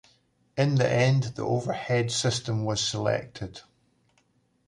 In the end, the overhead system was selected.